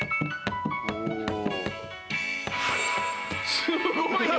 すごいな！